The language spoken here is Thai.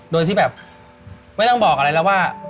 โดยที่แบบไม่ต้องบอกอะไรแล้วว่า